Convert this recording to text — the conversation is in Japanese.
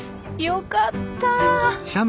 よかった。